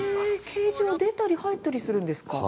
ケージは出たり入ったりするんですか。